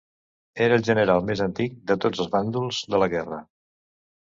Era el general més antic de tots els bàndols de la guerra.